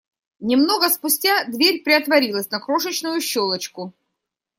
Немного спустя дверь приотворилась на крошечную щелочку.